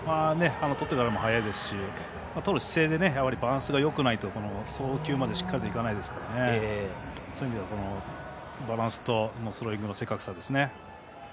とってからも速いですしとる姿勢でバランスがよくないとしっかり送球までいかないのでバランスとスローイングの正確さですね。